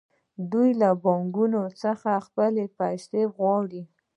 دوی له بانکونو څخه خپلې پیسې غواړي